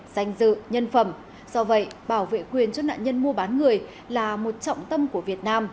danh dự nhân phẩm do vậy bảo vệ quyền cho nạn nhân mua bán người là một trọng tâm của việt nam